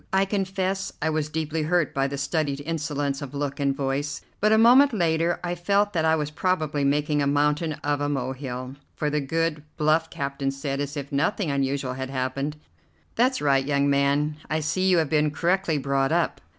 I confess I was deeply hurt by the studied insolence of look and voice; but a moment later I felt that I was probably making a mountain of a molehill, for the good, bluff captain said, as if nothing unusual had happened: "That's right, young man; I see you have been correctly brought up.